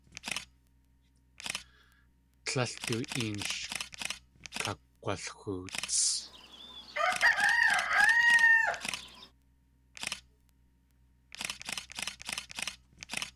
Tlél du een sh kakg̲walxoots.